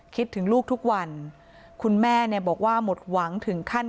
คิดถึงลูกทุกวันคุณแม่เนี่ยบอกว่าหมดหวังถึงขั้น